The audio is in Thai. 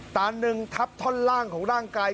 ตาหนึ่งทับท่อนล่างของร่างกาย